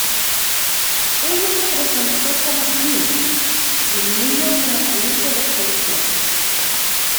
Ella se presentó como Jean y el niño como su hijo de seis meses.